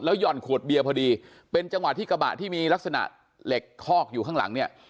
หย่อนขวดเบียร์พอดีเป็นจังหวะที่กระบะที่มีลักษณะเหล็กคอกอยู่ข้างหลังเนี่ย